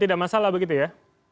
tidak masalah begitu ya